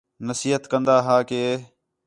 نصیحت کندا ھا کہ